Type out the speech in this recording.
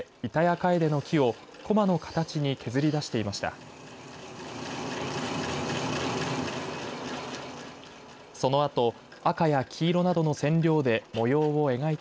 カエデの木をこまの形に削り出していました。